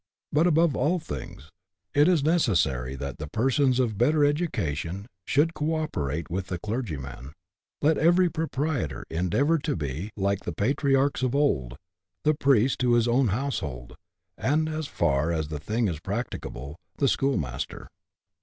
But, above all things, it is necessary that the persons of better education should co operate with the clergyman. Let every proprietor endeavour to be, like the patriarchs of old, the priest CHAP. III.] PROSPECTS OF IMPROVEMENT. 33 to his own household, and, as far as the thing is practicable, the schoolmaster.